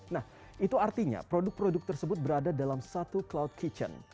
nah itu artinya produk produk tersebut berada dalam satu cloud kitchen